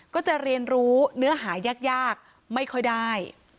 ก็จะเรียนรู้เนื้อหายากไม่ค่อยได้